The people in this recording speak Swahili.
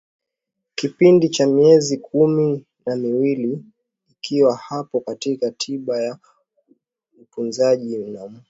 kipindi cha miezi kumi na miwili ikiwa hawapo katika tiba ya utunzaji na mu